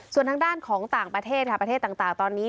ส่วนทางด้านของต่างประเทศค่ะประเทศต่างตอนนี้